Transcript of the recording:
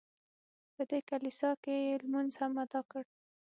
په دې کلیسا کې یې لمونځ هم ادا کړ.